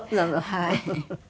はい。